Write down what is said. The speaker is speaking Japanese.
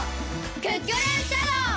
クックルンシャドー！